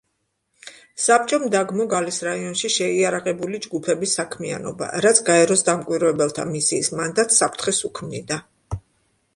საბჭომ დაგმო გალის რაიონში შეიარაღებული ჯგუფების საქმიანობა, რაც გაეროს დამკვირვებელთა მისიის მანდატს საფრთხეს უქმნიდა.